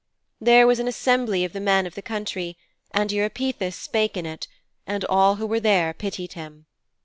There was an assembly of the men of the country, and Eupeithes spake in it, and all who were there pitied him.